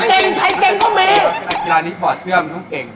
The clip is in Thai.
เกรงตอนไกลงนี้ขอชื่ออย่างทุกเก่ง